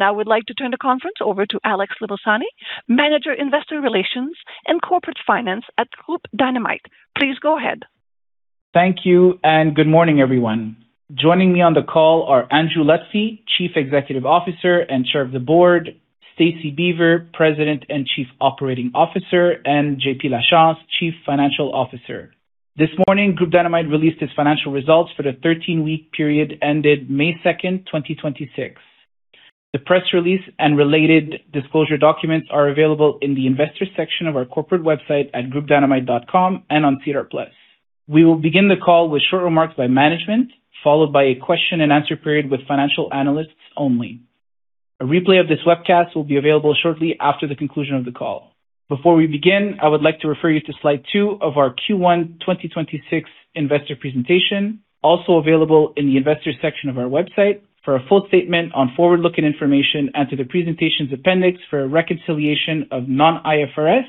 I would like to turn the conference over to Alex Limosani, Manager, Investor Relations and Corporate Finance at Groupe Dynamite. Please go ahead. Thank you, and good morning, everyone. Joining me on the call are Andrew Lutfy, Chief Executive Officer and Chair of the Board, Stacie Beaver, President and Chief Operating Officer, and J.P. Lachance, Chief Financial Officer. This morning, Groupe Dynamite released its financial results for the 13-week period ended May 2nd, 2026. The press release and related disclosure documents are available in the investors section of our corporate website at groupedynamite.com and on SEDAR+. We will begin the call with short remarks by management, followed by a question-and-answer period with financial analysts only. A replay of this webcast will be available shortly after the conclusion of the call. Before we begin, I would like to refer you to slide 2 of our Q1 2026 investor presentation, also available in the investors section of our website, for a full statement on forward-looking information and to the presentations appendix for a reconciliation of non-IFRS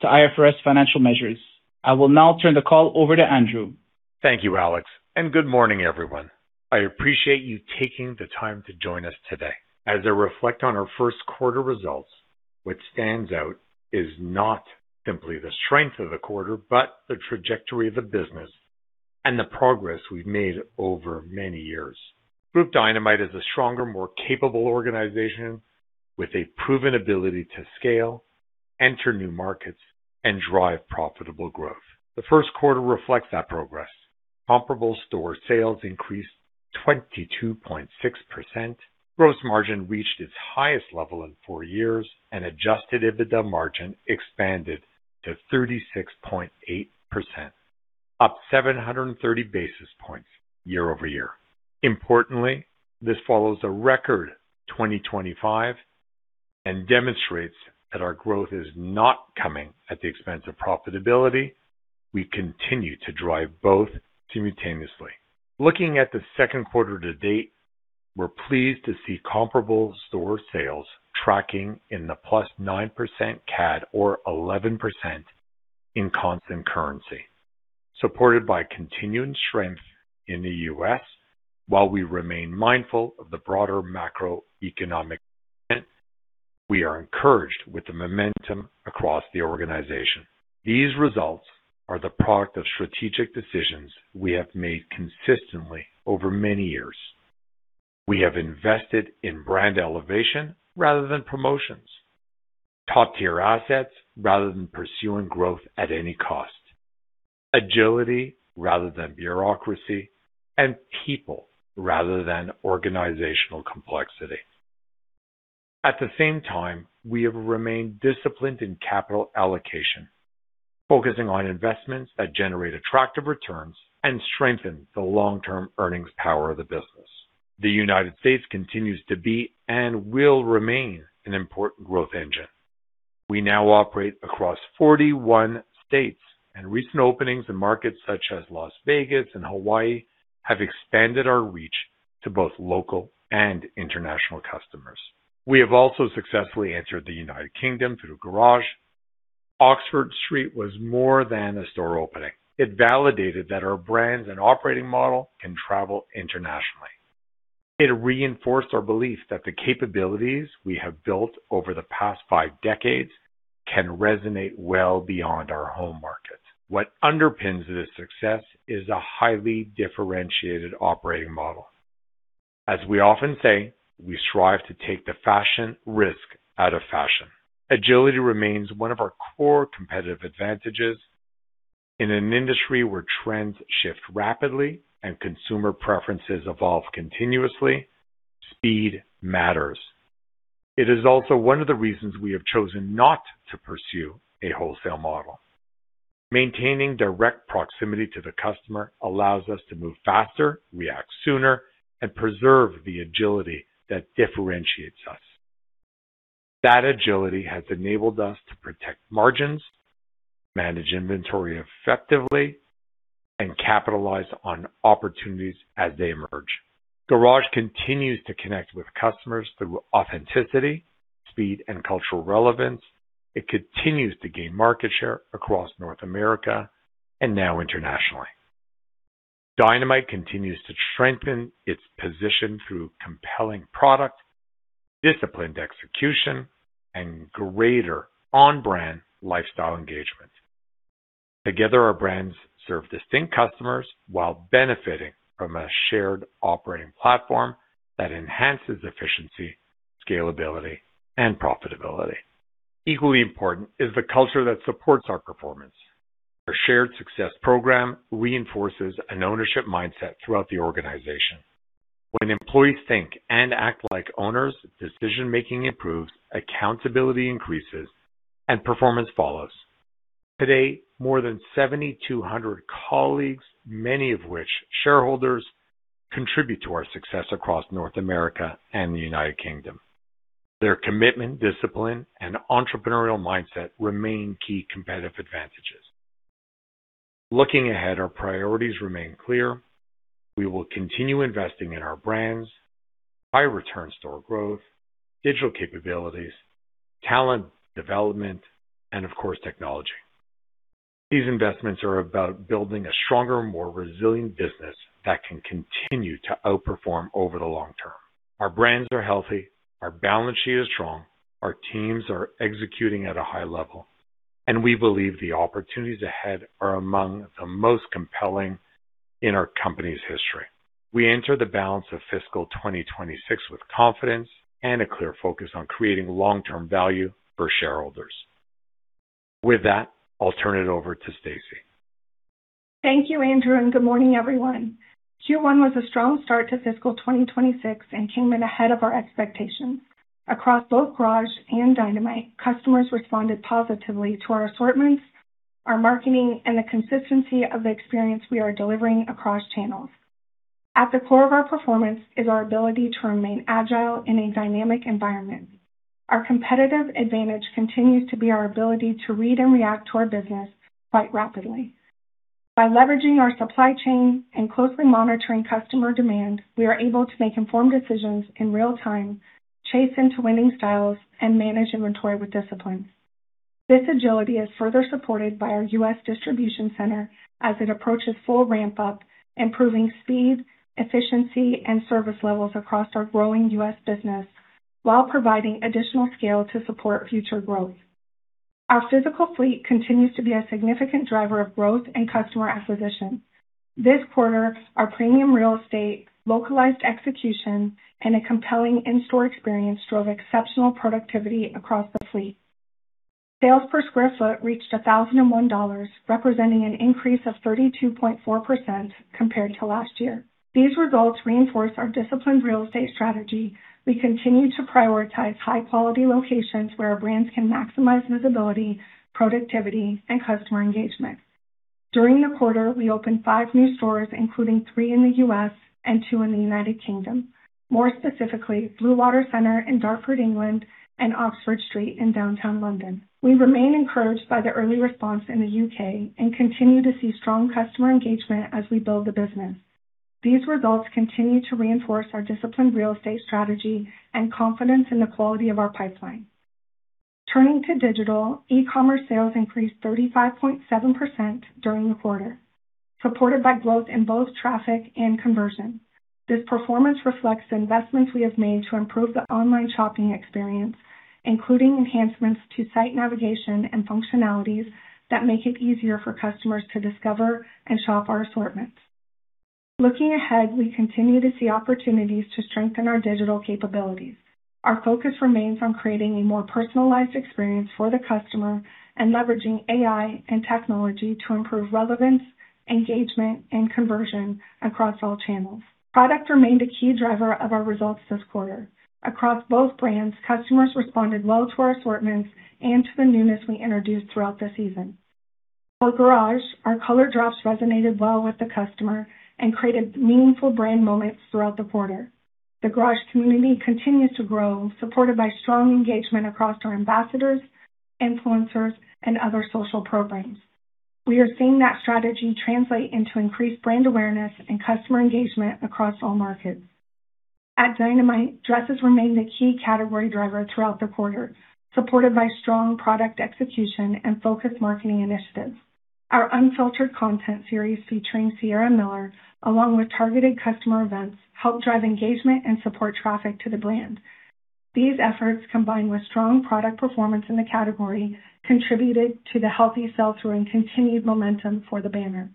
to IFRS financial measures. I will now turn the call over to Andrew Lutfy. Thank you, Alex Limosani, and good morning, everyone. I appreciate you taking the time to join us today. As I reflect on our Q1 results, what stands out is not simply the strength of the quarter, but the trajectory of the business and the progress we've made over many years. Groupe Dynamite is a stronger, more capable organization with a proven ability to scale, enter new markets, and drive profitable growth. The Q1 reflects that progress. Comparable store sales increased 22.6%, gross margin reached its highest level in four years, and adjusted EBITDA margin expanded to 36.8%, up 730 basis points year-over-year. Importantly, this follows a record 2025 and demonstrates that our growth is not coming at the expense of profitability. We continue to drive both simultaneously. Looking at Q2 to date, we're pleased to see comparable store sales tracking in the +9% CAD or 11% in constant currency, supported by continuing strength in the U.S. While we remain mindful of the broader macroeconomic climate, we are encouraged with the momentum across the organization. These results are the product of strategic decisions we have made consistently over many years. We have invested in brand elevation rather than promotions, top-tier assets rather than pursuing growth at any cost, agility rather than bureaucracy, and people rather than organizational complexity. At the same time, we have remained disciplined in capital allocation, focusing on investments that generate attractive returns and strengthen the long-term earnings power of the business. The United States continues to be and will remain an important growth engine. We now operate across 41 states, recent openings in markets such as Las Vegas and Hawaii have expanded our reach to both local and international customers. We have also successfully entered the U.K. through Garage. Oxford Street was more than a store opening. It validated that our brands and operating model can travel internationally. It reinforced our belief that the capabilities we have built over the past five decades can resonate well beyond our home markets. What underpins this success is a highly differentiated operating model. As we often say, we strive to take the fashion risk out of fashion. Agility remains one of our core competitive advantages. In an industry where trends shift rapidly and consumer preferences evolve continuously, speed matters. It is also one of the reasons we have chosen not to pursue a wholesale model. Maintaining direct proximity to the customer allows us to move faster, react sooner, and preserve the agility that differentiates us. That agility has enabled us to protect margins, manage inventory effectively, and capitalize on opportunities as they emerge. Garage continues to connect with customers through authenticity, speed, and cultural relevance. It continues to gain market share across North America and now internationally. Dynamite continues to strengthen its position through compelling product, disciplined execution, and greater on-brand lifestyle engagement. Together, our brands serve distinct customers while benefiting from a shared operating platform that enhances efficiency, scalability, and profitability. Equally important is the culture that supports our performance. Our shared success program reinforces an ownership mindset throughout the organization. When employees think and act like owners, decision-making improves, accountability increases, and performance follows. Today, more than 7,200 colleagues, many of which shareholders, contribute to our success across North America and the U.K. Their commitment, discipline, and entrepreneurial mindset remain key competitive advantages. Looking ahead, our priorities remain clear. We will continue investing in our brands, high-return store growth, digital capabilities, talent development, and, of course, technology. These investments are about building a stronger, more resilient business that can continue to outperform over the long term. Our brands are healthy, our balance sheet is strong, our teams are executing at a high level, and we believe the opportunities ahead are among the most compelling in our company's history. We enter the balance of fiscal 2026 with confidence and a clear focus on creating long-term value for shareholders. With that, I'll turn it over to Stacie Beaver. Thank you, Andrew. Good morning, everyone. Q1 was a strong start to fiscal 2026 and came in ahead of our expectations. Across both Garage and Dynamite, customers responded positively to our assortments, our marketing, and the consistency of the experience we are delivering across channels. At the core of our performance is our ability to remain agile in a dynamic environment. Our competitive advantage continues to be our ability to read and react to our business quite rapidly. By leveraging our supply chain and closely monitoring customer demand, we are able to make informed decisions in real time, chase into winning styles, and manage inventory with discipline. This agility is further supported by our U.S. distribution center as it approaches full ramp-up, improving speed, efficiency, and service levels across our growing U.S. business while providing additional scale to support future growth. Our physical fleet continues to be a significant driver of growth and customer acquisition. This quarter, our premium real estate, localized execution, and a compelling in-store experience drove exceptional productivity across the fleet. Sales per square foot reached 1,001 dollars, representing an increase of 32.4% compared to last year. These results reinforce our disciplined real estate strategy. We continue to prioritize high-quality locations where our brands can maximize visibility, productivity, and customer engagement. During the quarter, we opened five new stores, including three in the U.S. and two in the U.K. More specifically, Bluewater Shopping Centre in Dartford, England, and Oxford Street in downtown London. We remain encouraged by the early response in the U.K. and continue to see strong customer engagement as we build the business. These results continue to reinforce our disciplined real estate strategy and confidence in the quality of our pipeline. Turning to digital, e-commerce sales increased 35.7% during the quarter, supported by growth in both traffic and conversion. This performance reflects the investments we have made to improve the online shopping experience, including enhancements to site navigation and functionalities that make it easier for customers to discover and shop our assortments. Looking ahead, we continue to see opportunities to strengthen our digital capabilities. Our focus remains on creating a more personalized experience for the customer and leveraging AI and technology to improve relevance, engagement, and conversion across all channels. Product remained a key driver of our results this quarter. Across both brands, customers responded well to our assortments and to the newness we introduced throughout the season. For Garage, our color drops resonated well with the customer and created meaningful brand moments throughout the quarter. The Garage community continues to grow, supported by strong engagement across our ambassadors, influencers, and other social programs. We are seeing that strategy translate into increased brand awareness and customer engagement across all markets. At Dynamite, dresses remained a key category driver throughout the quarter, supported by strong product execution and focused marketing initiatives. Our unfiltered content series featuring Sienna Miller, along with targeted customer events, helped drive engagement and support traffic to the brand. These efforts, combined with strong product performance in the category, contributed to the healthy sell-through and continued momentum for the banner.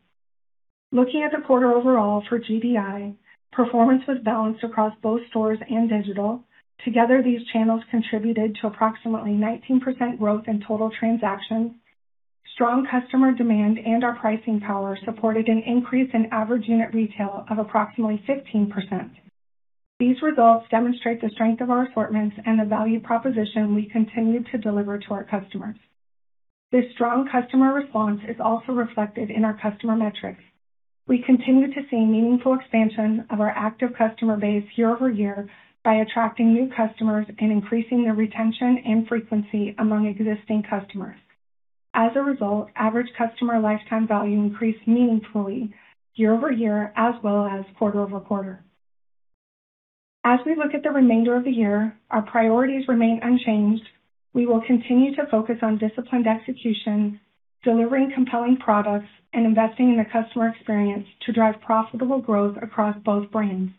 Looking at the quarter overall for GDI, performance was balanced across both stores and digital. Together, these channels contributed to approximately 19% growth in total transactions. Strong customer demand and our pricing power supported an increase in average unit retail of approximately 15%. These results demonstrate the strength of our assortments and the value proposition we continue to deliver to our customers. This strong customer response is also reflected in our customer metrics. We continue to see meaningful expansion of our active customer base year-over-year by attracting new customers and increasing the retention and frequency among existing customers. As a result, average customer lifetime value increased meaningfully year-over-year as well as quarter-over-quarter. As we look at the remainder of the year, our priorities remain unchanged. We will continue to focus on disciplined execution, delivering compelling products, and investing in the customer experience to drive profitable growth across both brands.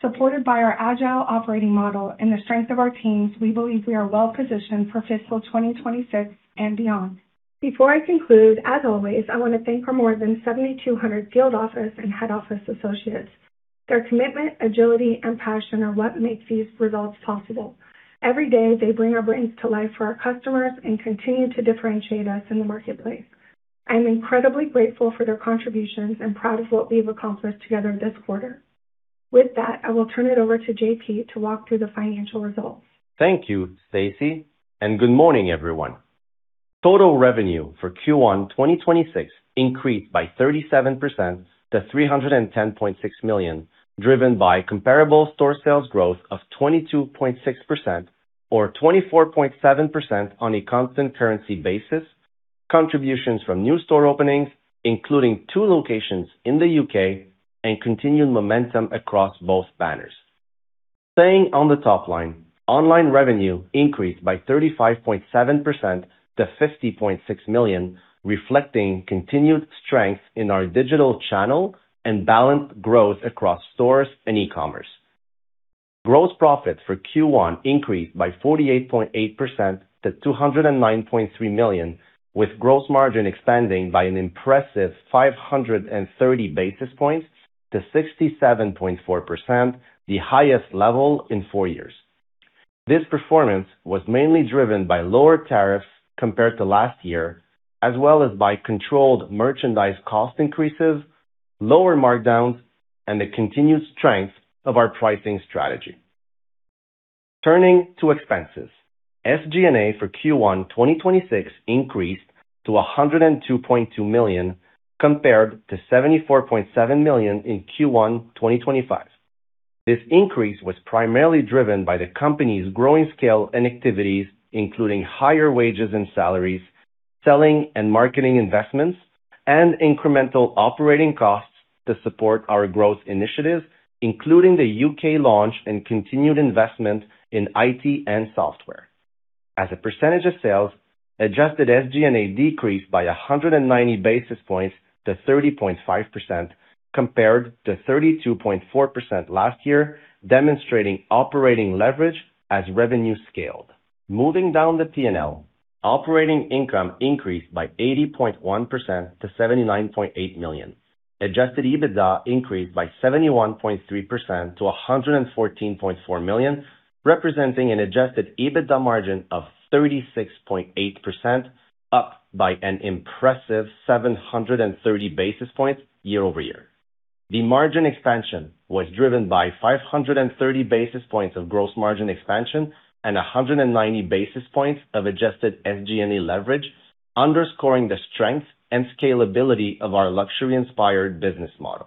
Supported by our agile operating model and the strength of our teams, we believe we are well positioned for fiscal 2026 and beyond. Before I conclude, as always, I want to thank our more than 7,200 field office and head office associates. Their commitment, agility, and passion are what make these results possible. Every day, they bring our brands to life for our customers and continue to differentiate us in the marketplace. I'm incredibly grateful for their contributions and proud of what we've accomplished together this quarter. With that, I will turn it over to Jean-Philippe to walk through the financial results. Thank you, Stacie, good morning, everyone. Total revenue for Q1 2026 increased by 37% to 310.6 million, driven by comparable store sales growth of 22.6%, or 24.7% on a constant currency basis, contributions from new store openings, including two locations in the U.K., and continued momentum across both banners. Staying on the top line, online revenue increased by 35.7% to 50.6 million, reflecting continued strength in our digital channel and balanced growth across stores and e-commerce. Gross profit for Q1 increased by 48.8% to 209.3 million, with gross margin expanding by an impressive 530 basis points to 67.4%, the highest level in four years. This performance was mainly driven by lower tariffs compared to last year, as well as by controlled merchandise cost increases, lower markdowns, and the continued strength of our pricing strategy. Turning to expenses, SG&A for Q1 2026 increased to 102.2 million compared to 74.7 million in Q1 2025. This increase was primarily driven by the company's growing scale and activities, including higher wages and salaries, selling and marketing investments, and incremental operating costs to support our growth initiatives, including the U.K. launch and continued investment in IT and software. As a percentage of sales, adjusted SG&A decreased by 190 basis points to 30.5%, compared to 32.4% last year, demonstrating operating leverage as revenue scaled. Moving down the P&L, operating income increased by 80.1% to 79.8 million. Adjusted EBITDA increased by 71.3% to 114.4 million, representing an adjusted EBITDA margin of 36.8%, up by an impressive 730 basis points year-over-year. The margin expansion was driven by 530 basis points of gross margin expansion and 190 basis points of adjusted SG&A leverage, underscoring the strength and scalability of our luxury-inspired business model.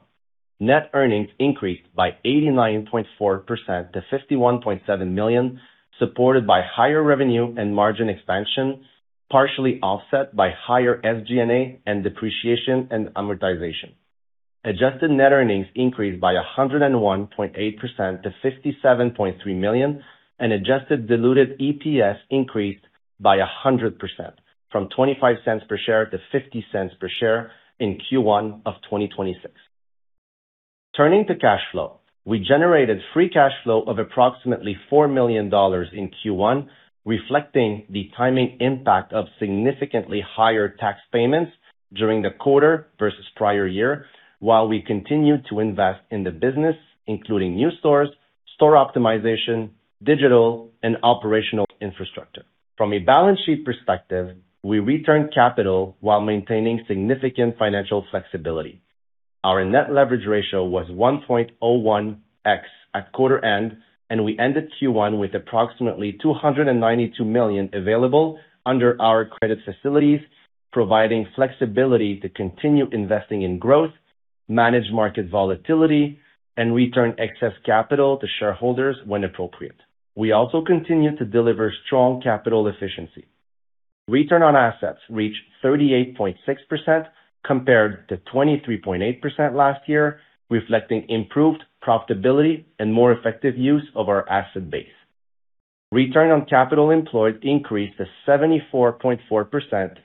Net earnings increased by 89.4% to 51.7 million, supported by higher revenue and margin expansion, partially offset by higher SG&A and depreciation and amortization. Adjusted net earnings increased by 101.8% to 57.3 million, and adjusted diluted EPS increased by 100% from 0.25 per share to 0.50 per share in Q1 of 2026. Turning to cash flow, we generated free cash flow of approximately 4 million dollars in Q1, reflecting the timing impact of significantly higher tax payments during the quarter versus prior year, while we continued to invest in the business, including new stores, store optimization, digital, and operational infrastructure. From a balance sheet perspective, we returned capital while maintaining significant financial flexibility. Our net leverage ratio was 1.01x at quarter end, and we ended Q1 with approximately 292 million available under our credit facilities, providing flexibility to continue investing in growth, manage market volatility, and return excess capital to shareholders when appropriate. We also continue to deliver strong capital efficiency. Return on assets reached 38.6%, compared to 23.8% last year, reflecting improved profitability and more effective use of our asset base. Return on capital employed increased to 74.4%,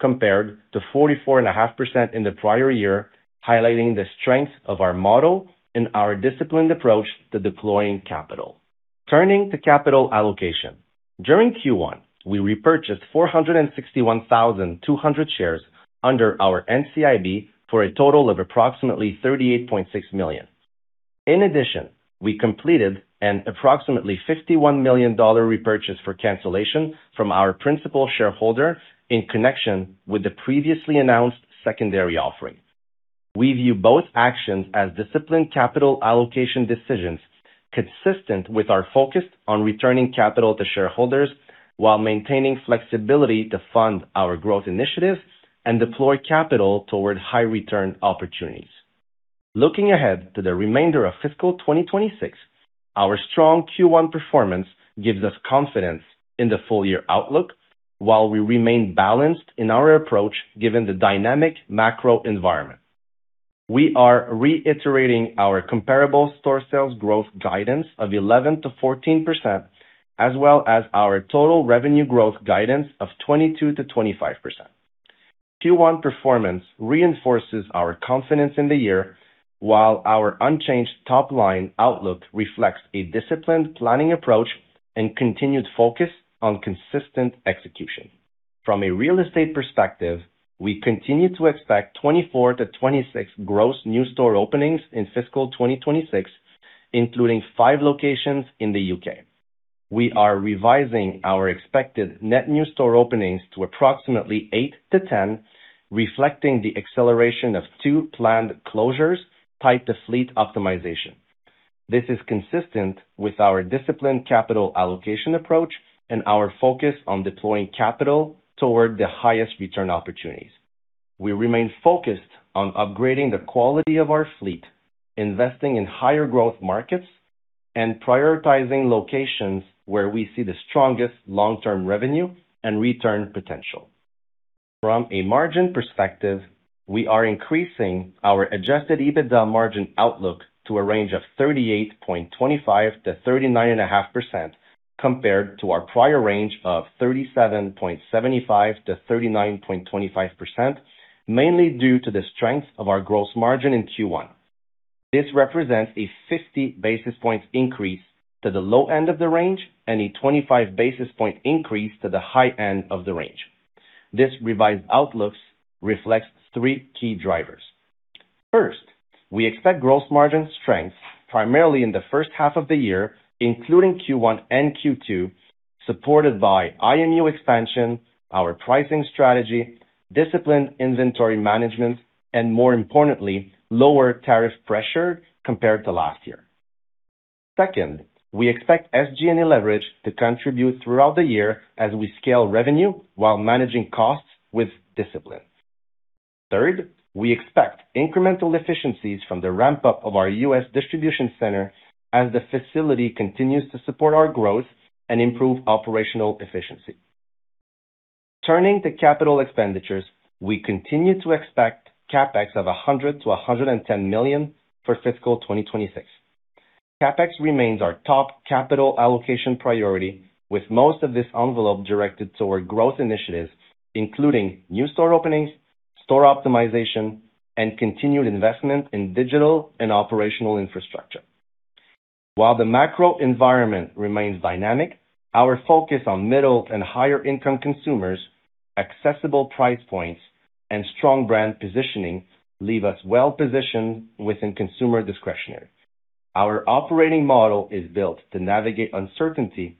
compared to 44.5% in the prior year, highlighting the strength of our model and our disciplined approach to deploying capital. Turning to capital allocation, during Q1, we repurchased 461,200 shares under our NCIB for a total of approximately 38.6 million. In addition, we completed an approximately 51 million dollar repurchase for cancellation from our principal shareholder in connection with the previously announced secondary offering. We view both actions as disciplined capital allocation decisions consistent with our focus on returning capital to shareholders while maintaining flexibility to fund our growth initiatives and deploy capital toward high-return opportunities. Looking ahead to the remainder of fiscal 2026, our strong Q1 performance gives us confidence in the full-year outlook, while we remain balanced in our approach given the dynamic macro environment. We are reiterating our comparable store sales growth guidance of 11%-14%, as well as our total revenue growth guidance of 22%-25%. Q1 performance reinforces our confidence in the year, while our unchanged top-line outlook reflects a disciplined planning approach and continued focus on consistent execution. From a real estate perspective, we continue to expect 24-26 gross new store openings in fiscal 2026, including five locations in the U.K. We are revising our expected net new store openings to approximately 8-10, reflecting the acceleration of two planned closures tied to fleet optimization. This is consistent with our disciplined capital allocation approach and our focus on deploying capital toward the highest return opportunities. We remain focused on upgrading the quality of our fleet, investing in higher growth markets, and prioritizing locations where we see the strongest long-term revenue and return potential. From a margin perspective, we are increasing our adjusted EBITDA margin outlook to a range of 38.25%-39.5%, compared to our prior range of 37.75%-39.25%, mainly due to the strength of our gross margin in Q1. This represents a 50 basis points increase to the low end of the range and a 25 basis point increase to the high end of the range. This revised outlook reflects three key drivers. First, we expect gross margin strength primarily in the H1 of the year, including Q1 and Q2, supported by IMU expansion, our pricing strategy, disciplined inventory management, and more importantly, lower tariff pressure compared to last year. Second, we expect SG&A leverage to contribute throughout the year as we scale revenue while managing costs with discipline. Third, we expect incremental efficiencies from the ramp-up of our U.S. distribution center as the facility continues to support our growth and improve operational efficiency. Turning to capital expenditures, we continue to expect CapEx of 100 million-110 million for fiscal 2026. CapEx remains our top capital allocation priority, with most of this envelope directed toward growth initiatives, including new store openings, store optimization, and continued investment in digital and operational infrastructure. While the macro environment remains dynamic, our focus on middle and higher income consumers, accessible price points, and strong brand positioning leave us well positioned within consumer discretionary. Our operating model is built to navigate uncertainty,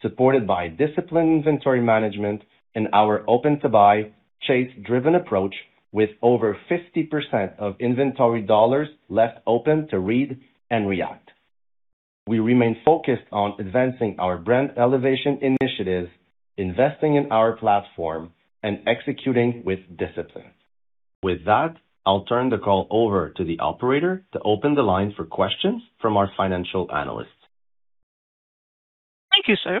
supported by disciplined inventory management and our open-to-buy chase driven approach with over 50% of inventory dollars left open to read and react. We remain focused on advancing our brand elevation initiatives, investing in our platform, and executing with discipline. With that, I'll turn the call over to the operator to open the line for questions from our financial analysts. Thank you, sir.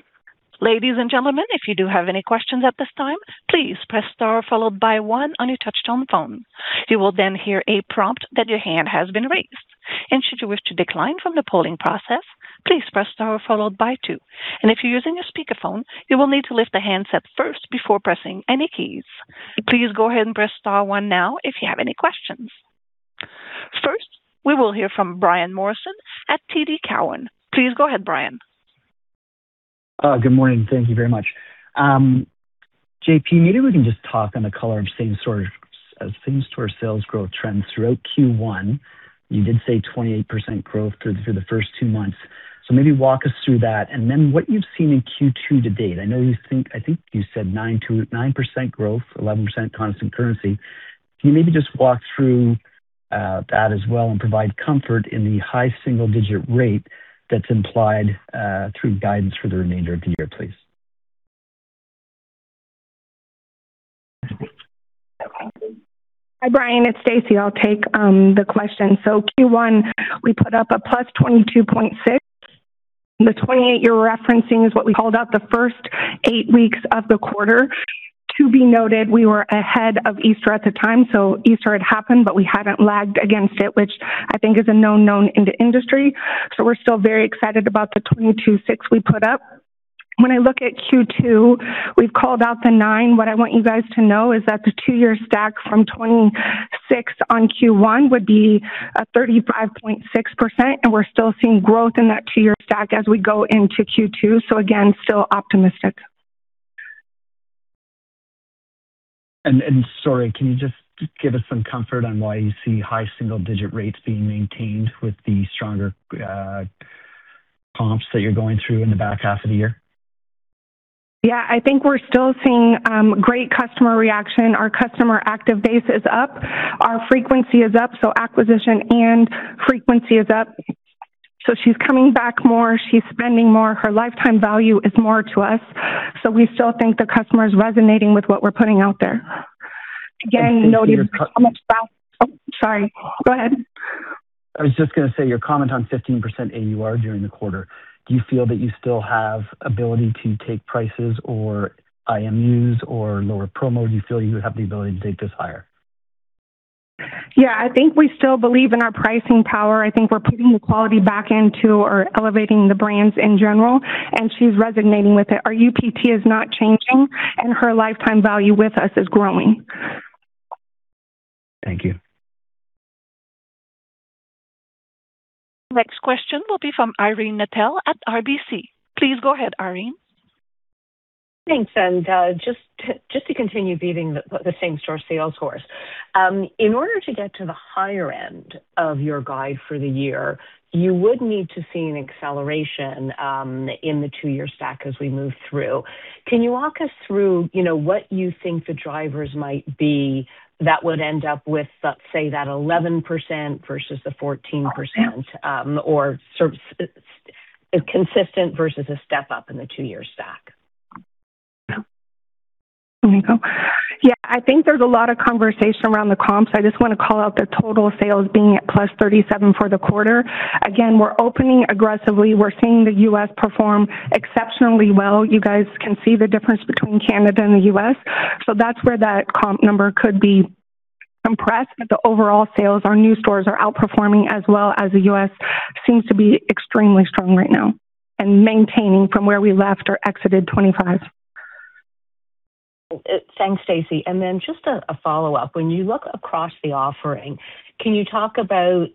Ladies and gentlemen, if you do have any questions at this time, please press star followed by one on your touchtone phone. You will then hear a prompt that your hand has been raised. Should you wish to decline from the polling process, please press star followed by two. If you're using a speakerphone, you will need to lift the handset first before pressing any keys. Please go ahead and press star one now if you have any questions. First, we will hear from Brian Morrison at TD Cowen. Please go ahead, Brian. Good morning. Thank you very much. Jean-Philippe, maybe we can just talk on the color of comparable store sales growth trends throughout Q1. You did say 28% growth through the first two months. Maybe walk us through that, and then what you've seen in Q2 to date. I think you said 9% growth, 11% constant currency. Can you maybe just walk through that as well and provide comfort in the high single-digit rate that's implied through guidance for the remainder of the year, please? Hi, Brian, it's Stacie. I'll take the question. Q1, we put up a +22.6%. The 28% you're referencing is what we called out the first eight weeks of the quarter. To be noted, we were ahead of Easter at the time, Easter had happened, but we hadn't lagged against it, which I think is a known known in the industry. We're still very excited about the 22.6% we put up. When I look at Q2, we've called out the 9%. What I want you guys to know is that the two-year stack from 2026 on Q1 would be a 35.6%, and we're still seeing growth in that two-year stack as we go into Q2. Again, still optimistic. Sorry, can you just give us some comfort on why you see high single-digit rates being maintained with the stronger comparable store sales that you're going through in the H2 of the year? I think we're still seeing great customer reaction. Our customer active base is up. Our frequency is up, acquisition and frequency is up. She's coming back more. She's spending more. Her lifetime value is more to us. We still think the customer is resonating with what we're putting out there. Again, you noted. Stacie, your- Oh, sorry. Go ahead. I was just going to say, your comment on 15% AUR during the quarter, do you feel that you still have ability to take prices or IMUs or lower promo? Do you feel you have the ability to take this higher? Yeah, I think we still believe in our pricing power. I think we're putting the quality back into, or elevating the brands in general, and she's resonating with it. Our UPT is not changing and her lifetime value with us is growing. Thank you. Next question will be from Irene Nattel at RBC. Please go ahead, Irene. Thanks. Just to continue beating the same-store sales horse. In order to get to the higher end of your guide for the year, you would need to see an acceleration in the two-year stack as we move through. Can you walk us through what you think the drivers might be that would end up with, say, that 11% versus the 14%, or sort of consistent versus a step-up in the two-year stack? Let me go. Yeah, I think there's a lot of conversation around the comps. I just want to call out the total sales being at 37% for the quarter. Again, we're opening aggressively. We're seeing the U.S. perform exceptionally well. You guys can see the difference between Canada and the U.S. That's where that comp number could be impressed with the overall sales. Our new stores are outperforming as well as the U.S. seems to be extremely strong right now and maintaining from where we left or exited 2025. Thanks, Stacie. Just a follow-up. When you look across the offering, can you talk about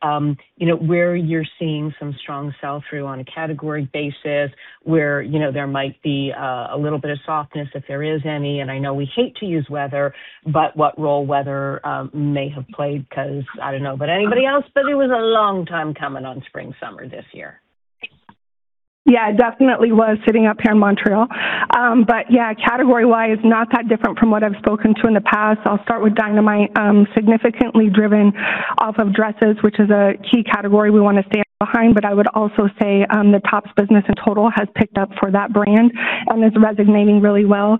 where you're seeing some strong sell-through on a category basis, where there might be a little bit of softness, if there is any, and I know we hate to use weather, but what role weather may have played, because I don't know about anybody else, but it was a long time coming on spring/summer this year. It definitely was sitting up here in Montreal. Category-wise, not that different from what I've spoken to in the past. I'll start with Dynamite. Significantly driven off of dresses, which is a key category we want to stay behind. I would also say, the tops business in total has picked up for that brand and is resonating really well.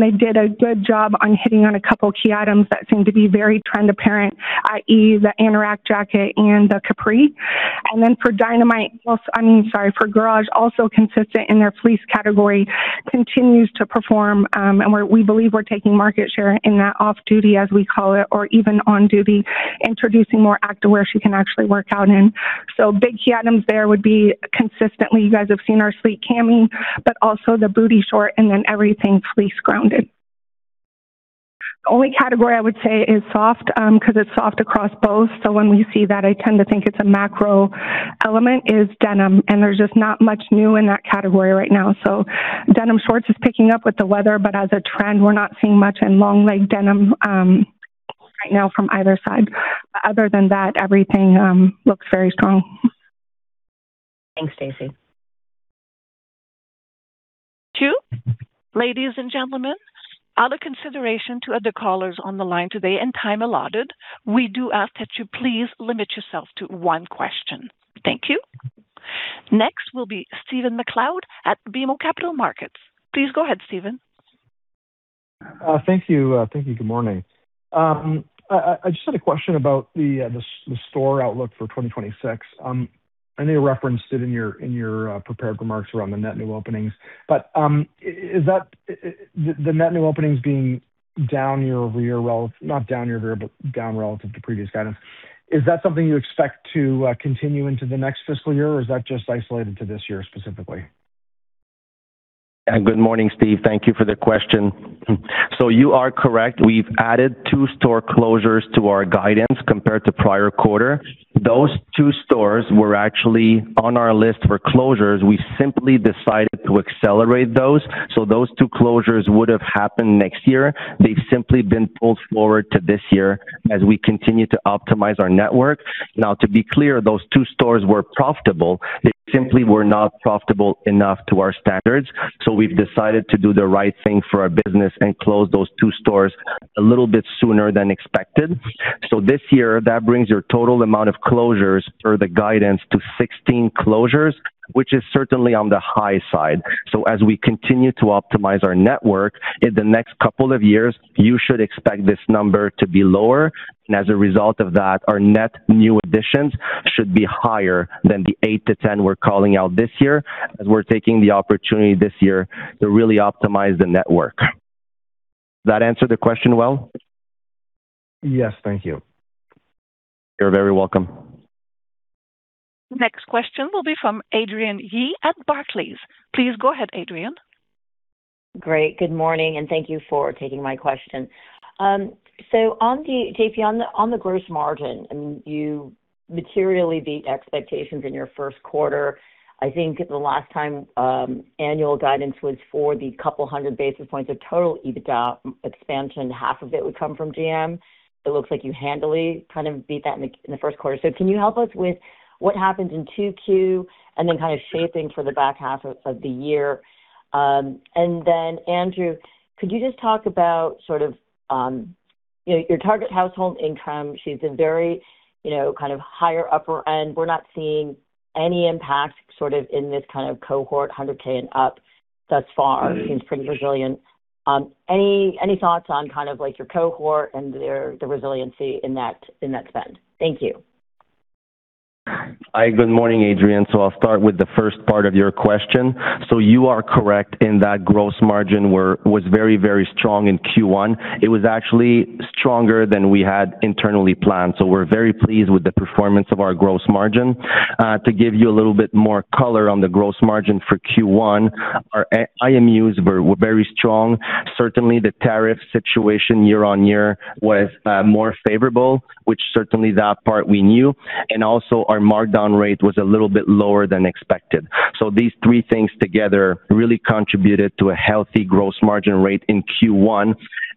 They did a good job on hitting on a couple key items that seem to be very trend apparent, i.e., the anorak jacket and the capri. For Garage, also consistent in their fleece category, continues to perform, and we believe we're taking market share in that off-duty, as we call it, or even on duty, introducing more activewear she can actually work out in. Big key items there would be consistently, you guys have seen our fleece cami, but also the booty short and then everything fleece-grounded. Only category I would say is soft, because it's soft across both, so when we see that, I tend to think it's a macro element, is denim, and there's just not much new in that category right now. Denim shorts is picking up with the weather, but as a trend, we're not seeing much in long leg denim right now from either side. Other than that, everything looks very strong. Thanks, Stacie. Thank you. Ladies and gentlemen, out of consideration to other callers on the line today and time allotted, we do ask that you please limit yourself to one question. Thank you. Next will be Stephen MacLeod at BMO Capital Markets. Please go ahead, Stephen. Thank you. Good morning. I just had a question about the store outlook for 2026. I know you referenced it in your prepared remarks around the net new openings. The net new openings being down year-over-year, well, not down year-over-year, but down relative to previous guidance. Is that something you expect to continue into the next fiscal year, or is that just isolated to this year specifically? Good morning, Stephen. Thank you for the question. You are correct. We've added two store closures to our guidance compared to prior quarter. Those two stores were actually on our list for closures. We simply decided to accelerate those. Those two closures would have happened next year. They've simply been pulled forward to this year as we continue to optimize our network. Now to be clear, those two stores were profitable. They simply were not profitable enough to our standards. We've decided to do the right thing for our business and close those two stores a little bit sooner than expected. This year, that brings your total amount of closures or the guidance to 16 closures, which is certainly on the high side. As we continue to optimize our network, in the next couple of years, you should expect this number to be lower. As a result of that, our net new additions should be higher than the eight to 10 we're calling out this year, as we're taking the opportunity this year to really optimize the network. Does that answer the question well? Yes. Thank you. You're very welcome. Next question will be from Adrienne Yih at Barclays. Please go ahead, Adrienne. Great. Good morning, thank you for taking my question. Jean-Philippe, on the gross margin, you materially beat expectations in your Q1. I think the last time annual guidance was for the couple hundred basis points of total EBITDA expansion, half of it would come from GM. It looks like you handily beat that in the Q1. Can you help us with what happens in Q2 and then shaping for the H2 of the year? Then Andrew, could you just talk about your target household income? She's a very higher upper end. We're not seeing any impact in this cohort, 100,000 and up thus far. Seems pretty resilient. Any thoughts on your cohort and the resiliency in that spend? Thank you. Hi. Good morning, Adrienne. I'll start with the first part of your question. You are correct in that gross margin was very strong in Q1. It was actually stronger than we had internally planned. We're very pleased with the performance of our gross margin. To give you a little bit more color on the gross margin for Q1, our IMUs were very strong. Certainly, the tariff situation year-on-year was more favorable, which certainly that part we knew, and also our markdown rate was a little bit lower than expected. These three things together really contributed to a healthy gross margin rate in Q1.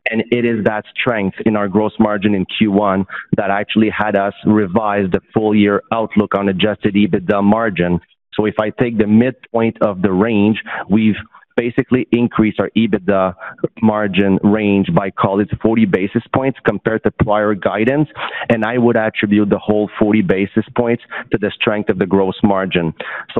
It is that strength in our gross margin in Q1 that actually had us revise the full-year outlook on adjusted EBITDA margin. If I take the midpoint of the range, we've basically increased our EBITDA margin range by, call it, 40 basis points compared to prior guidance, and I would attribute the whole 40 basis points to the strength of the gross margin.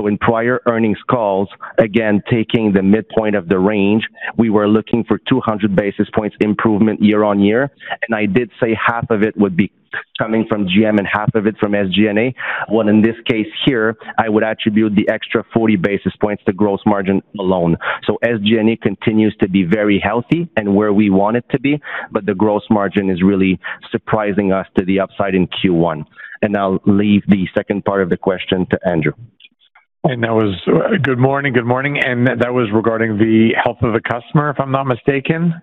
In prior earnings calls, again, taking the midpoint of the range, we were looking for 200 basis points improvement year-on-year. I did say half of it would be coming from GM and half of it from SG&A. In this case here, I would attribute the extra 40 basis points to gross margin alone. SG&A continues to be very healthy and where we want it to be, but the gross margin is really surprising us to the upside in Q1. I'll leave the second part of the question to Andrew. That was, good morning. Good morning. That was regarding the health of the customer, if I'm not mistaken.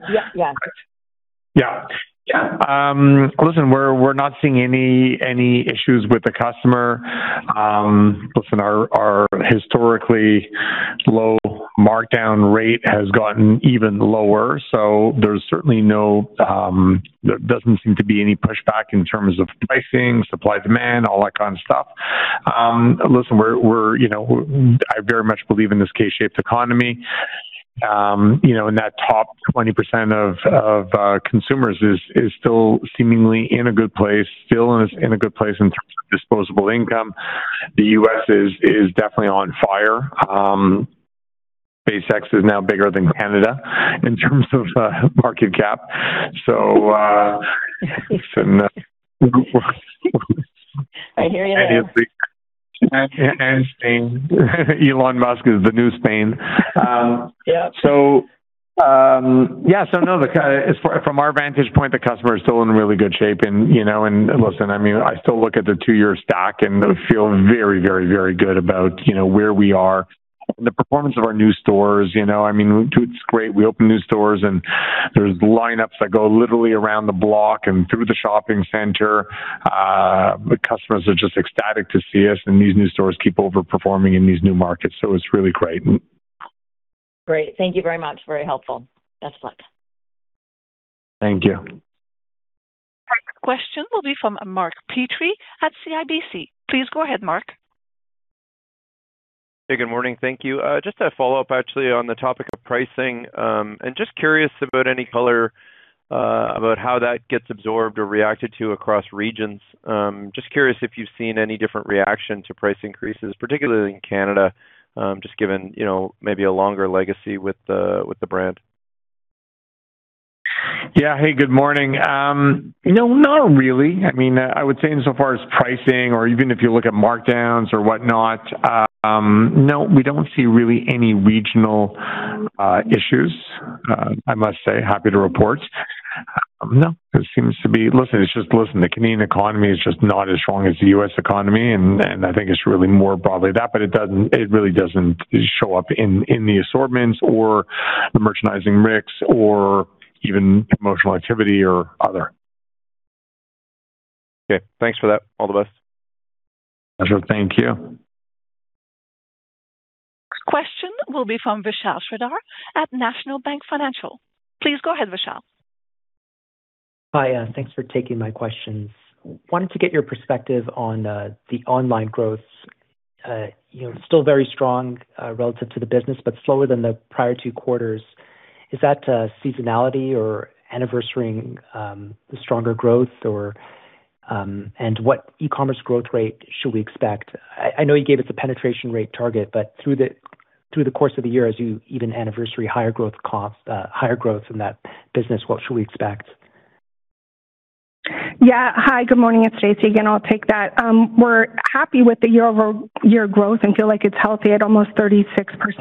Yeah. Yeah. Listen, we're not seeing any issues with the customer. Listen, our historically low markdown rate has gotten even lower, there doesn't seem to be any pushback in terms of pricing, supply, demand, all that kind of stuff. Listen, I very much believe in this K-shaped economy. That top 20% of consumers is still seemingly in a good place, still in a good place in terms of disposable income. The U.S. is definitely on fire. SpaceX is now bigger than Canada in terms of market cap. Listen. I hear you there. Spain. Elon Musk is the new Spain. Yeah. Yeah. No, from our vantage point, the customer is still in really good shape. Listen, I still look at the two-year stack and feel very good about where we are and the performance of our new stores. It's great. We open new stores, and there's lineups that go literally around the block and through the shopping center. The customers are just ecstatic to see us, these new stores keep over-performing in these new markets, it's really great. Great. Thank you very much. Very helpful. Best luck. Thank you. Next question will be from Mark Petrie at CIBC. Please go ahead, Mark. Hey, good morning. Thank you. Just a follow-up actually on the topic of pricing. Just curious about any color about how that gets absorbed or reacted to across regions. Just curious if you've seen any different reaction to price increases, particularly in Canada, just given maybe a longer legacy with the brand. Yeah. Hey, good morning. No, not really. I would say insofar as pricing or even if you look at markdowns or whatnot, no, we don't see really any regional issues, I must say. Happy to report. No. Listen, the Canadian economy is just not as strong as the U.S. economy, I think it's really more broadly that, it really doesn't show up in the assortments or the merchandising mix or even promotional activity or other. Okay. Thanks for that. All the best. Pleasure. Thank you. Next question will be from Vishal Shreedhar at National Bank Financial. Please go ahead, Vishal. Hi. Thanks for taking my questions. Wanted to get your perspective on the online growth. Still very strong relative to the business, but slower than the prior two quarters. Is that seasonality or anniversarying the stronger growth, and what e-commerce growth rate should we expect? I know you gave us a penetration rate target, but through the course of the year, as you even anniversary higher growth from that business, what should we expect? Hi, good morning. It's Stacie again. I'll take that. We're happy with the year-over-year growth and feel like it's healthy at almost 36%,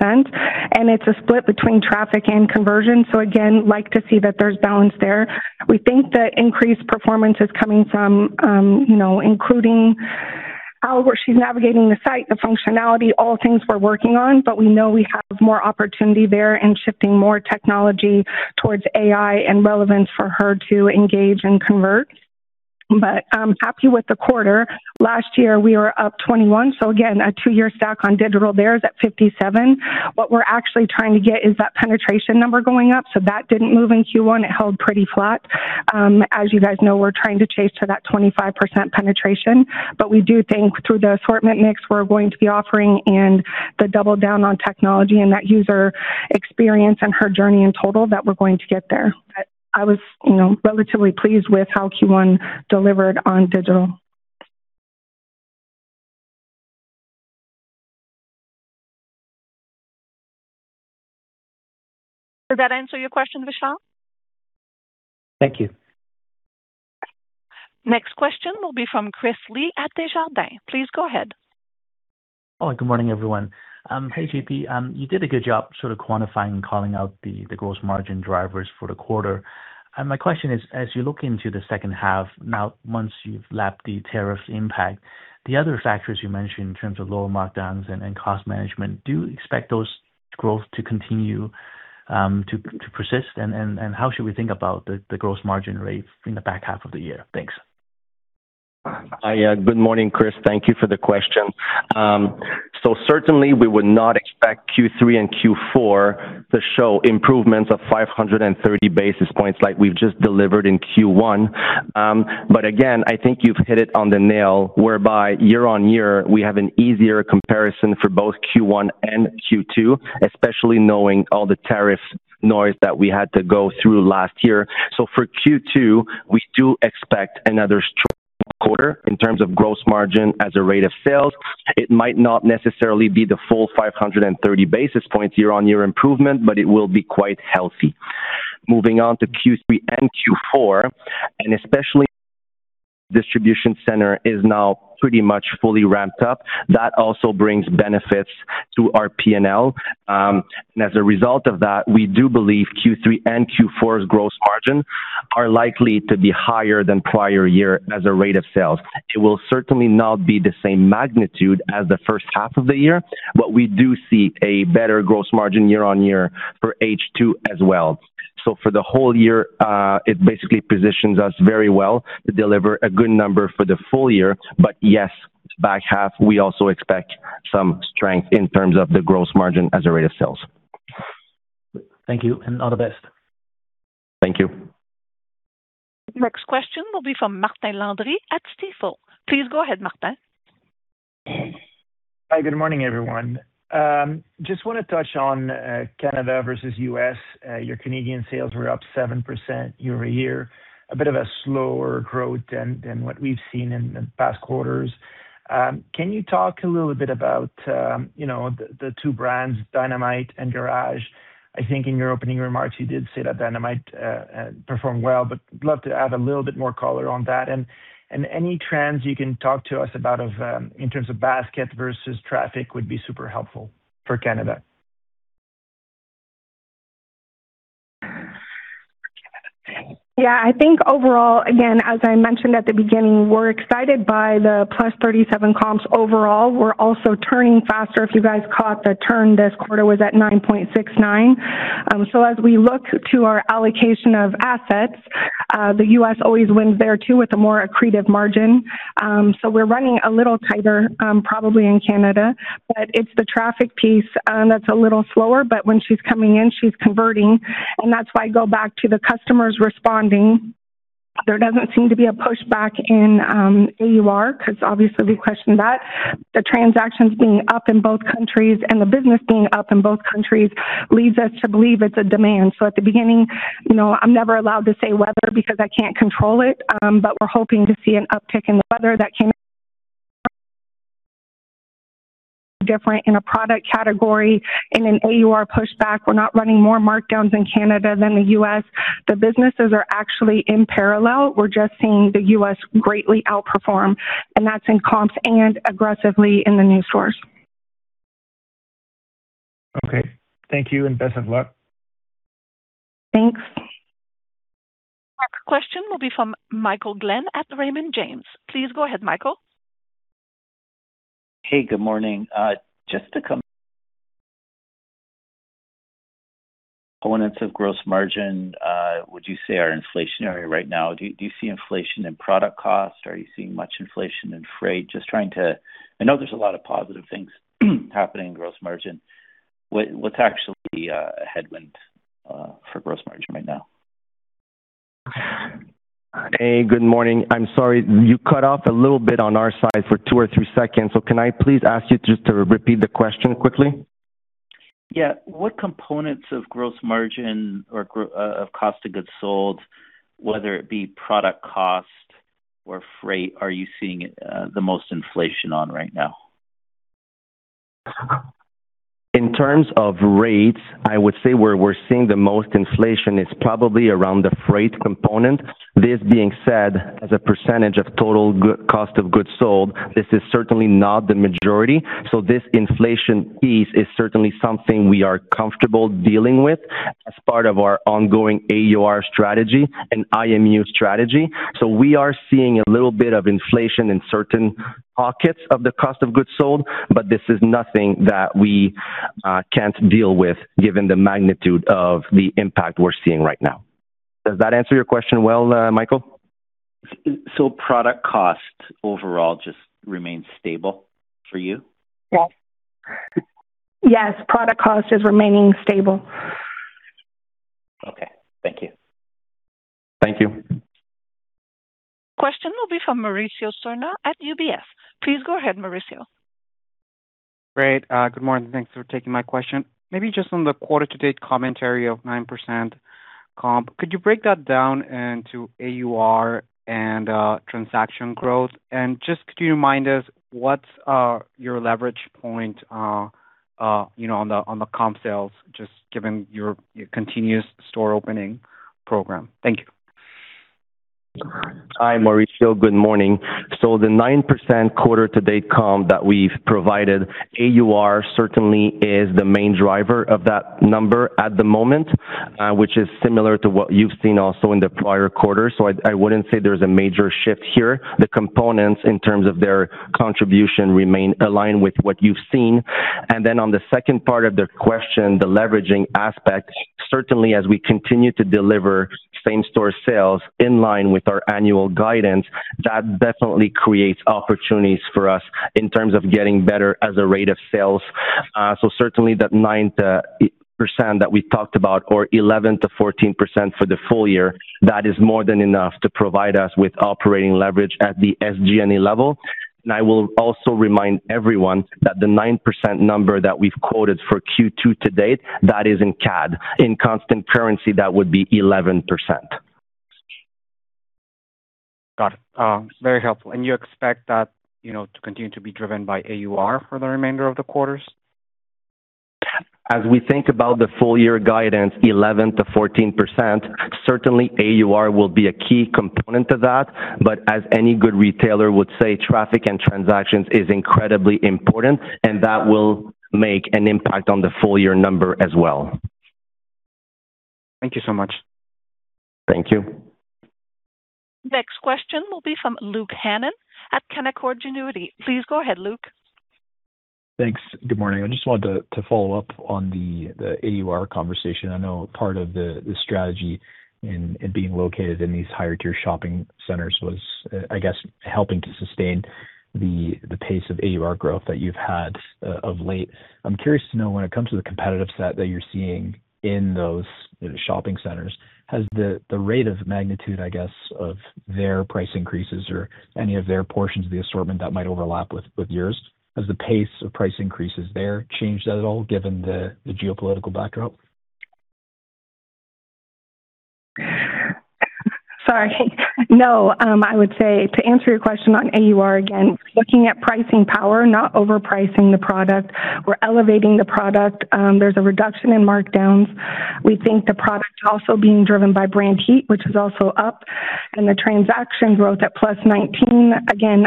and it's a split between traffic and conversion. Again, like to see that there's balance there. We think that increased performance is coming from, including how she's navigating the site, the functionality, all things we're working on, but we know we have more opportunity there and shifting more technology towards AI and relevance for her to engage and convert. I'm happy with the quarter. Last year, we were up 21, again, a two-year stack on digital there is at 57. What we're actually trying to get is that penetration number going up. That didn't move in Q1. It held pretty flat. As you guys know, we're trying to chase to that 25% penetration. We do think through the assortment mix we're going to be offering and the double-down on technology and that user experience and her journey in total, that we're going to get there. I was relatively pleased with how Q1 delivered on digital. Did that answer your question, Vishal? Thank you. Next question will be from Chris Li at Desjardins. Please go ahead. Good morning, everyone. Hey, Jean-Philippe, you did a good job sort of quantifying and calling out the gross margin drivers for the quarter. My question is, as you look into the H2 now, once you've lapped the tariff impact, the other factors you mentioned in terms of lower markdowns and cost management, do you expect those growth to continue to persist? How should we think about the gross margin rate in the H2 of the year? Thanks. Hi. Good morning, Chris Li. Thank you for the question. Certainly, we would not expect Q3 and Q4 to show improvements of 530 basis points like we've just delivered in Q1. Again, I think you've hit it on the nail, whereby year-over-year, we have an easier comparison for both Q1 and Q2, especially knowing all the tariff noise that we had to go through last year. For Q2, we do expect another strong quarter in terms of gross margin as a rate of sales. It might not necessarily be the full 530 basis points year-over-year improvement, but it will be quite healthy. Moving on to Q3 and Q4, and especially distribution center is now pretty much fully ramped up. That also brings benefits to our P&L. As a result of that, we do believe Q3 and Q4's gross margin are likely to be higher than prior year as a rate of sales. It will certainly not be the same magnitude as the H1 of the year, but we do see a better gross margin year-over-year for H2 as well. For the whole year, it basically positions us very well to deliver a good number for the full year. Yes, H2, we also expect some strength in terms of the gross margin as a rate of sales. Thank you and all the best. Thank you. Next question will be from Martin Landry at Stifel. Please go ahead, Martin. Hi, good morning, everyone. Want to touch on Canada versus U.S. Your Canadian sales were up 7% year-over-year. A bit of a slower growth than what we've seen in the past quarters. Can you talk a little bit about the two brands, Dynamite and Garage? I think in your opening remarks you did say that Dynamite performed well, but love to add a little bit more color on that, and any trends you can talk to us about in terms of basket versus traffic would be super helpful for Canada. I think overall, again, as I mentioned at the beginning, we're excited by the +37% comps overall. We're also turning faster. If you guys caught the turn this quarter was at 9.69x. As we look to our allocation of assets, the U.S. always wins there too with a more accretive margin. We're running a little tighter, probably in Canada, but it's the traffic piece that's a little slower, but when she's coming in, she's converting, and that's why I go back to the customers responding. There doesn't seem to be a pushback in AUR, because obviously we questioned that. Transactions being up in both countries and the business being up in both countries leads us to believe it's a demand. At the beginning, I'm never allowed to say weather because I can't control it, but we're hoping to see an uptick in the weather that can different in a product category, in an AUR pushback. We're not running more markdowns in Canada than the U.S. The businesses are actually in parallel. We're just seeing the U.S. greatly outperform, and that's in comps and aggressively in the new stores. Okay. Thank you and best of luck. Thanks. Next question will be from Michael Glen at Raymond James. Please go ahead, Michael. Hey, good morning. Just what components of gross margin, would you say are inflationary right now? Do you see inflation in product cost? Are you seeing much inflation in freight? I know there's a lot of positive things happening in gross margin. What's actually a headwind for gross margin right now? Hey, good morning. I'm sorry, you cut off a little bit on our side for two or three seconds. Can I please ask you just to repeat the question quickly? What components of gross margin or of cost of goods sold, whether it be product cost or freight, are you seeing the most inflation on right now? In terms of rates, I would say where we're seeing the most inflation is probably around the freight component. This being said, as a percentage of total cost of goods sold, this is certainly not the majority. This inflation piece is certainly something we are comfortable dealing with as part of our ongoing AUR strategy and IMU strategy. We are seeing a little bit of inflation in certain pockets of the cost of goods sold, but this is nothing that we can't deal with given the magnitude of the impact we're seeing right now. Does that answer your question well, Michael? Product cost overall just remains stable for you? Yes. Product cost is remaining stable. Okay. Thank you. Thank you. Question will be from Mauricio Serna at UBS. Please go ahead, Mauricio. Great. Good morning. Thanks for taking my question. Maybe just on the quarter-to-date commentary of 9% comp, could you break that down into AUR and transaction growth? Could you remind us what's your leverage point on the comp sales just given your continuous store opening program? Thank you. Hi, Mauricio. Good morning. The 9% quarter-to-date comp that we've provided, AUR certainly is the main driver of that number at the moment, which is similar to what you've seen also in the prior quarters. I wouldn't say there's a major shift here. The components in terms of their contribution align with what you've seen. Then on the second part of the question, the leveraging aspect, certainly as we continue to deliver same store sales in line with our annual guidance, that definitely creates opportunities for us in terms of getting better as a rate of sales. Certainly that 9% that we talked about or 11%-14% for the full year, that is more than enough to provide us with operating leverage at the SG&A level. I will also remind everyone that the 9% number that we've quoted for Q2 to date, that is in CAD. In constant currency, that would be 11%. Got it. Very helpful. You expect that to continue to be driven by AUR for the remainder of the quarters? As we think about the full-year guidance, 11%-14%, certainly AUR will be a key component of that. As any good retailer would say, traffic and transactions is incredibly important, and that will make an impact on the full-year number as well. Thank you so much. Thank you. Next question will be from Luke Hannan at Canaccord Genuity. Please go ahead, Luke. Thanks. Good morning. I just wanted to follow up on the AUR conversation. I know part of the strategy in being located in these higher-tier shopping centers was, I guess, helping to sustain the pace of AUR growth that you've had of late. I'm curious to know when it comes to the competitive set that you're seeing in those shopping centers, has the rate of magnitude, I guess, of their price increases or any of their portions of the assortment that might overlap with yours, has the pace of price increases there changed at all given the geopolitical backdrop? Sorry. No. I would say to answer your question on AUR, again, we're looking at pricing power, not overpricing the product. We're elevating the product. There's a reduction in markdowns. We think the product also being driven by brand heat, which is also up, and the transaction growth at +19. Again,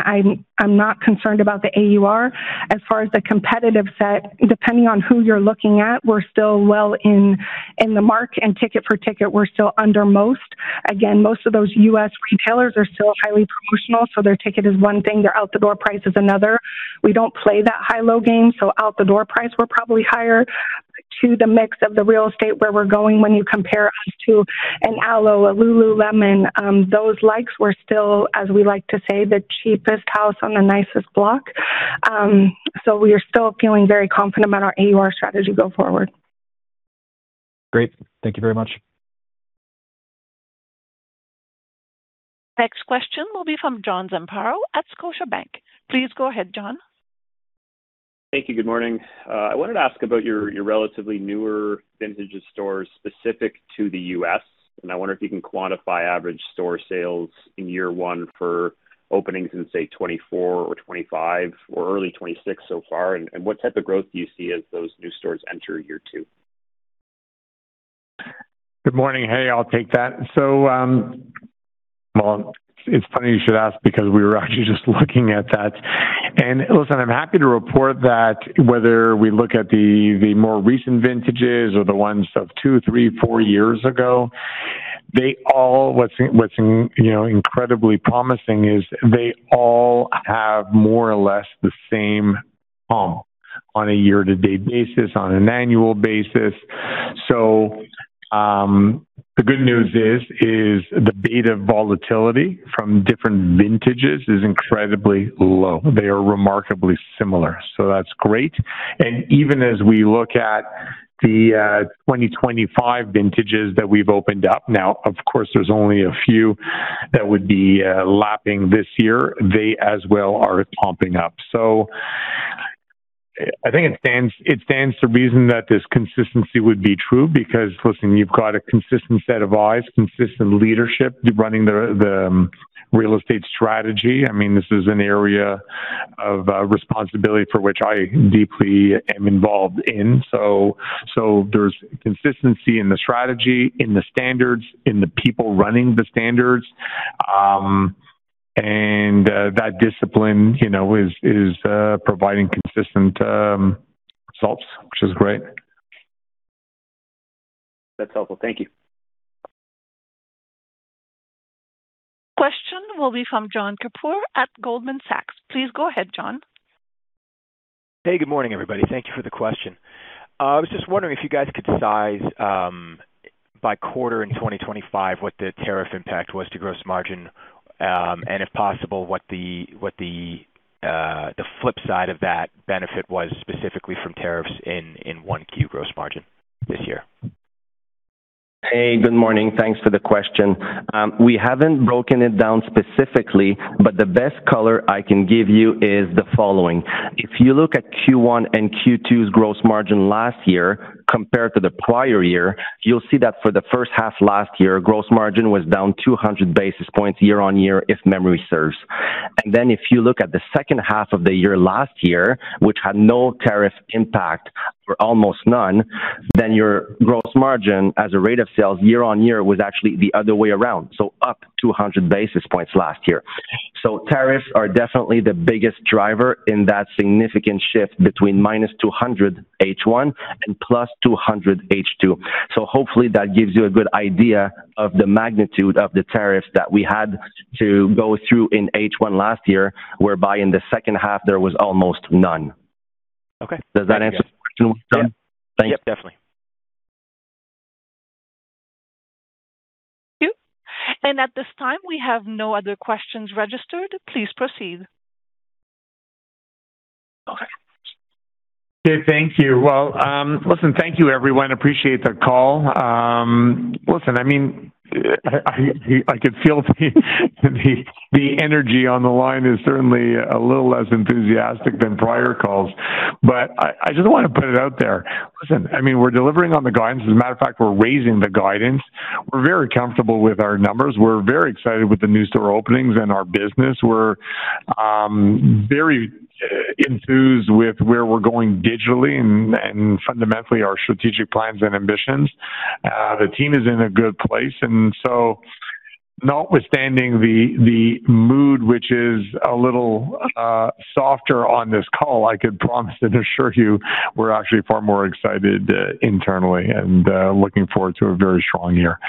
I'm not concerned about the AUR. As far as the competitive set, depending on who you're looking at, we're still well in the mark and ticket per ticket, we're still under most. Most of those U.S. retailers are still highly promotional, so their ticket is one thing, their out-the-door price is another. We don't play that high-low game, out-the-door price, we're probably higher to the mix of the real estate where we're going when you compare us to an Alo, a Lululemon, those likes, we're still, as we like to say, the cheapest house on the nicest block. We are still feeling very confident about our AUR strategy go forward. Great. Thank you very much. Next question will be from John Zamparo at Scotiabank. Please go ahead, John. Thank you. Good morning. I wanted to ask about your relatively newer vintage of stores specific to the U.S., and I wonder if you can quantify average store sales in year one for openings in, say, 2024 or 2025 or early 2026 so far, and what type of growth do you see as those new stores enter year 2? Good morning. Hey, I'll take that. Well, it's funny you should ask because we were actually just looking at that. Listen, I'm happy to report that whether we look at the more recent vintages or the ones of two, three, four years ago, what's incredibly promising is they all have more or less the same pump on a year-to-date basis, on an annual basis. The good news is the beta volatility from different vintages is incredibly low. They are remarkably similar, so that's great. Even as we look at the 2025 vintages that we've opened up, now, of course, there's only a few that would be lapping this year. They as well are pumping up. I think it stands to reason that this consistency would be true because, listen, you've got a consistent set of eyes, consistent leadership running the real estate strategy. This is an area of responsibility for which I deeply am involved in. There's consistency in the strategy, in the standards, in the people running the standards, and that discipline is providing consistent results, which is great. That's helpful. Thank you. Question will be from Jon Keypour at Goldman Sachs. Please go ahead, Jon. Hey, good morning, everybody. Thank you for the question. I was just wondering if you guys could size, by quarter in 2025, what the tariff impact was to gross margin, and if possible, what the flip side of that benefit was specifically from tariffs in Q1 gross margin this year. Hey, good morning. Thanks for the question. We haven't broken it down specifically, but the best color I can give you is the following. If you look at Q1 and Q2's gross margin last year compared to the prior year, you'll see that for the H1 last year, gross margin was down 200 basis points year-over-year, if memory serves. If you look at the H2 of the year last year, which had no tariff impact, or almost none, your gross margin as a rate of sales year-over-year was actually the other way around, up 200 basis points last year. Tariffs are definitely the biggest driver in that significant shift between -200 H1 and +200 H2. Hopefully that gives you a good idea of the magnitude of the tariffs that we had to go through in H1 last year, whereby in H2, there was almost none. Okay. Does that answer your question, Jon Keypour? Yeah. Thanks. Yep, definitely. Thank you. At this time, we have no other questions registered. Please proceed. Okay, thank you. Well, listen, thank you everyone. Appreciate the call. Listen, I could feel the energy on the line is certainly a little less enthusiastic than prior calls. I just want to put it out there. Listen, we're delivering on the guidance. As a matter of fact, we're raising the guidance. We're very comfortable with our numbers. We're very excited with the new store openings and our business. We're very enthused with where we're going digitally and fundamentally our strategic plans and ambitions. The team is in a good place. Notwithstanding the mood, which is a little softer on this call, I could promise and assure you we're actually far more excited internally and looking forward to a very strong year.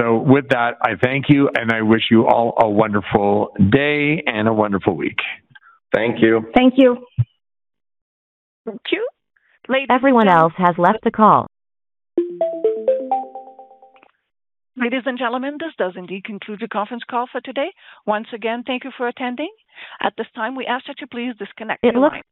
With that, I thank you and I wish you all a wonderful day and a wonderful week. Thank you. Thank you. Thank you. Ladies and gentlemen, this does indeed conclude the conference call for today. Once again, thank you for attending. At this time, we ask that you please disconnect your lines.